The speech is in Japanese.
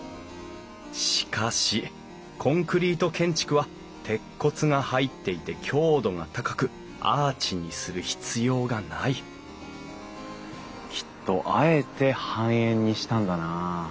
しかしコンクリート建築は鉄骨が入っていて強度が高くアーチにする必要がないきっとあえて半円にしたんだな。